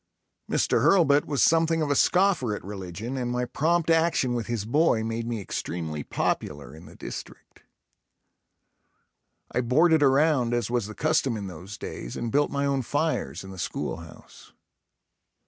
Mr. Hurlbut was something of a scoffer at religion and my prompt action with his boy made me extremely popular in the district. I boarded around as was the custom in those days and built my own fires in the schoolhouse.